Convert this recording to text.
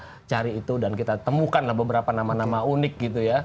kita cari itu dan kita temukanlah beberapa nama nama unik gitu ya